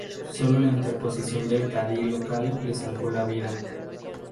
Solo la interposición del cadí local le salvó la vida.